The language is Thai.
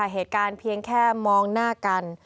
เหตุการณ์เพียงแค่มองหน้ากัน